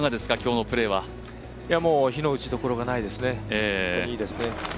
非の打ちどころがないですね、本当にいいですね。